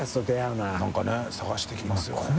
なんかね探してきますよね。